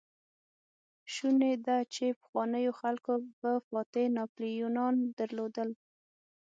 شونې ده، چې پخوانيو خلکو به فاتح ناپليونان درلودل.